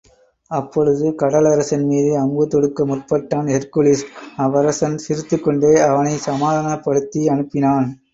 அப்பொழுது கடலரசன் மீதே அம்பு தொடுக்க முற்பட்டான் ஹெர்க்குலிஸ், அவ்வரசன் சிரித்துக்கொண்டே, அவனைச் சமாதானப்படுத்தி அனுப்பினான்.